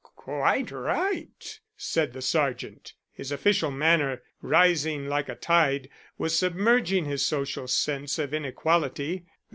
"Quite right," said the sergeant. His official manner, rising like a tide, was submerging his social sense of inequality.